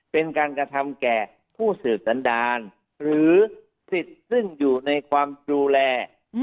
เป็นการกระทำแก่ผู้สืบสันดารหรือสิทธิ์ซึ่งอยู่ในความดูแล